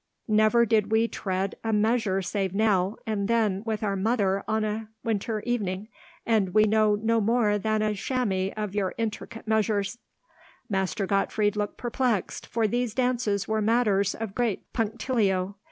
Never did we tread a measure save now and then with our mother on a winter evening, and we know no more than a chamois of your intricate measures." Master Gottfried looked perplexed, for these dances were matters of great punctilio.